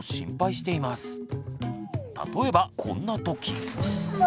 例えばこんなとき。